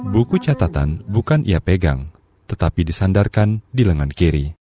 buku catatan bukan ia pegang tetapi disandarkan di lengan kiri